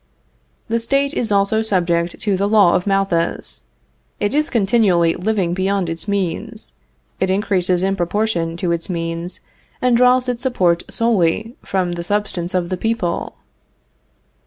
The State is also subject to the law of Malthus. It is continually living beyond its means, it increases in proportion to its means, and draws its support solely, from the substance of the people.